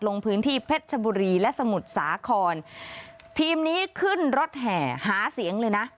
ลงพื้นที่เพชรชบุรีและสมุทรสาครทีมนี้ขึ้นรถแห่หาเสียงเลยนะ